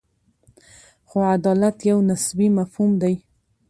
خو عدالت یو نسبي مفهوم دی.